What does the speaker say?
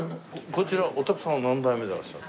こちらお宅さんは何代目でいらっしゃる？